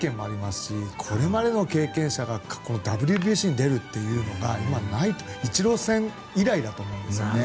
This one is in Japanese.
しこれまでの経験者がＷＢＣに出るというのが今、ないイチローさん以来だと思いますね。